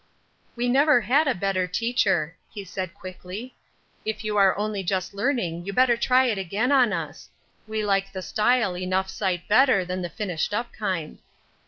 "We never had a better teacher," he said, quickly. "If you are only just learning you better try it again on us; we like the style enough sight better than the finished up kind."